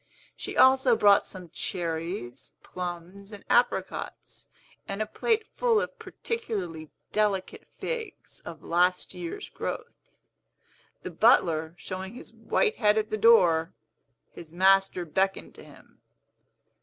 She also brought some cherries, plums, and apricots, and a plate full of particularly delicate figs, of last year's growth. The butler showing his white head at the door, his master beckoned to him.